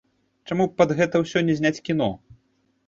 Чаму б пад гэта ўсё не зняць кіно?